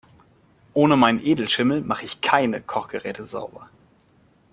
Ohne meinen Edelschimmel mach ich keine Kochgeräte sauber.